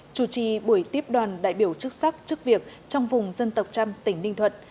chủ trì buổi tiếp đoàn đại biểu chức sắc chức việc trong vùng dân tộc trăm tỉnh ninh thuận